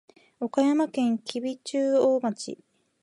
岡山県吉備中央町